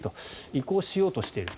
移行しようとしている。